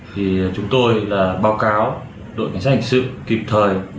thì chúng tôi là báo cáo đội cảnh sát hành sự kịp thời